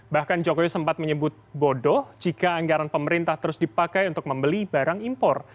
bahkan jokowi sempat menyebut bodoh jika anggaran pemerintah terus dipakai untuk membeli barang impor